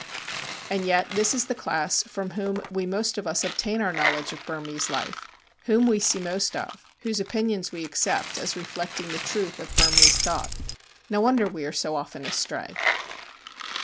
And yet this is the class from whom we most of us obtain our knowledge of Burmese life, whom we see most of, whose opinions we accept as reflecting the truth of Burmese thought. No wonder we are so often astray.